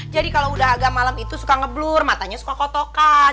jadi kalau udah agak malam itu suka ngeblur matanya suka kotokan